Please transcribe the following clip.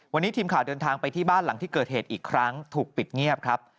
วันนี้ทีมข่าวเดินทางไปที่บ้านหลังที่เกิดเหตุอีกครั้งถูกปิดเงียบครับ